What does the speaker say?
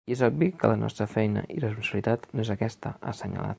I és obvi que la nostra feina i responsabilitat no és aquesta, ha assenyalat.